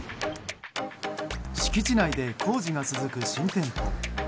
敷地内で工事が続く新店舗。